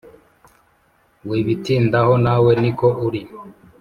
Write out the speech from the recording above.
Wibitindaho nawe niko uri